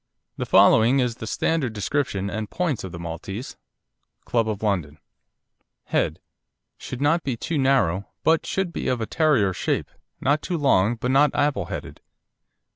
The following is the standard description and points of the Maltese Club of London: HEAD Should not be too narrow, but should be of a Terrier shape, not too long, but not apple headed.